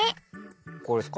これですか？